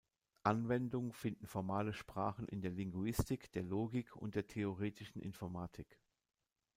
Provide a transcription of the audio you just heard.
Anwendung finden formale Sprachen in der Linguistik, der Logik und der theoretischen Informatik.